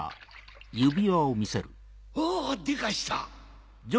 おぉでかした！